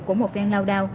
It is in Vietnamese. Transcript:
của một phen lao đao